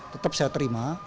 tetap saya terima